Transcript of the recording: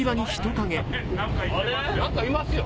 何かいますよ。